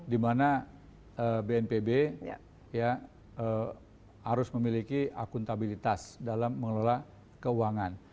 di mana bnpb harus memiliki akuntabilitas dalam mengelola keuangan